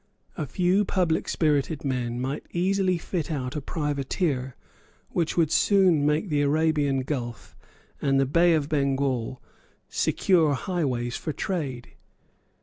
A few public spirited men might easily fit out a privateer which would soon make the Arabian Gulph and the Bay of Bengal secure highways for trade.